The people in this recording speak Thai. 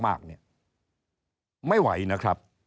ไม่ไหวนะครับ